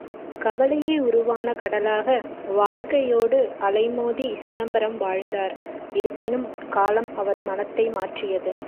கவலையே உருவான கடலாக வாழ்க்கையோடு அலைமோதி சிதம்பரம் வாழ்ந்தார் இருப்பினும் காலம் அவர் மனத்தை மாற்றியது.